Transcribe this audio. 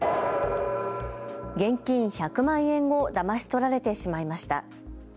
現金１００万円をだまし取られてしまいました。